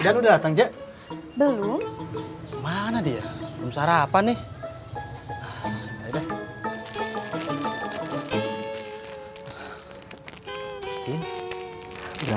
ini petang gak enak sama maeros ya